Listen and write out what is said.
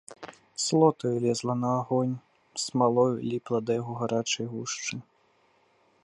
Слотаю лезла на агонь, смалою ліпла да яго гарачай гушчы.